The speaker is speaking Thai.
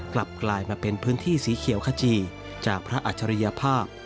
กลับกลายมาเป็นพื้นที่สีเขียวขจีจากพระอัจฉริยภาพ